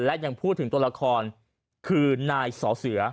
และยังพูดถึงตัวละครคือนายสอเสือ